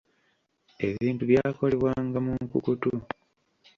Ebintu byakolebwanga mu nkukutu.